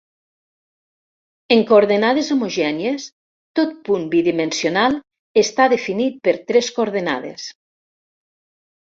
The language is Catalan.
En coordenades homogènies, tot punt bidimensional està definit per tres coordenades.